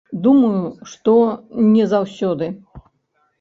Думаю, што не заўсёды.